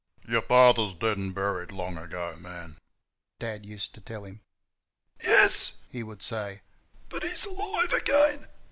"Your father's dead and buried long ago, man," Dad used to tell him. "Yes," he would say, "but he's alive again.